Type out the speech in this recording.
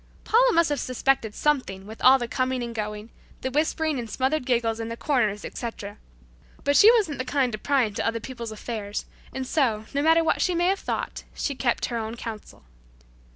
Paula must have suspected something with all the coming and going; the whispering and smothered giggles in corners, etc., but she wasn't the kind to pry into other people's affairs, and so, no matter what she may have thought, she kept her own counsel.